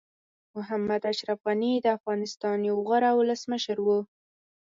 محمد اشرف غني د افغانستان یو غوره ولسمشر وو.